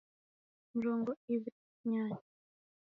Mrongo iw'i na w'unyanya